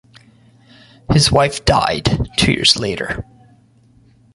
His wife died two years later.